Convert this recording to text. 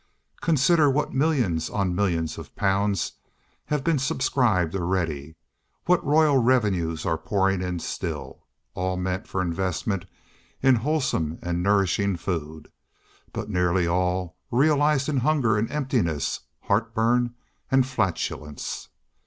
Consider what millions on millions of pounds have been subscribed already, what royal revenues are pouring in still; all meant for investment in wholesome and nourishing food, but nearly all realised in hunger and emptiness, heartburn and flatulence.